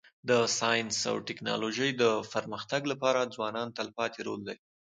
د ساینس او ټکنالوژۍ د پرمختګ لپاره ځوانان تلپاتی رول لري.